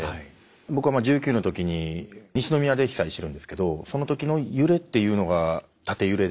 僕は１９の時に西宮で被災してるんですけどその時の揺れっていうのが縦揺れで。